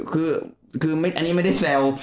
คืออันนี้ไม่ได้แซว